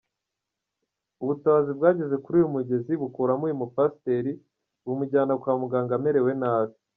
Ubutabazi bwageze kuri uyu mugezi bukuramo uyu mupasiteri, bumujyana kwa muganga amerewe nabi.